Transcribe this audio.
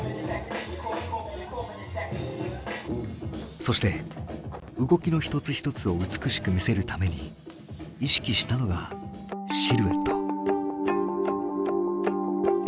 そして動きの一つ一つを美しく見せるために意識したのが「シルエット」。